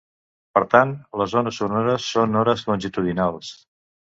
Per tant, les ones sonores són ones longitudinals.